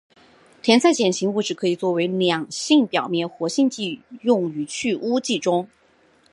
甜菜碱型物质可作为两性表面活性剂用于去污剂中。